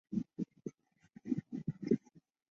吕特克尔小时候在一个讲德语学校里学习。